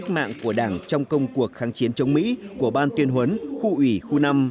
cách mạng của đảng trong công cuộc kháng chiến chống mỹ của ban tuyên huấn khu ủy khu năm